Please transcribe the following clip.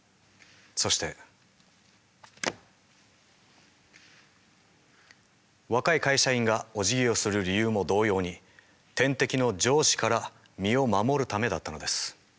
そして若い会社員がおじぎをする理由も同様に天敵の上司から身を守るためだったのです。